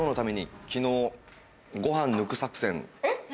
えっ？